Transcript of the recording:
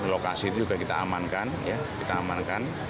lokasi itu juga kita amankan